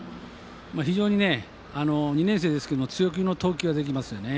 非常に２年生ですけど強気の投球ができますよね。